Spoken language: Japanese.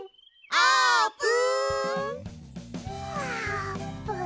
あーぷん。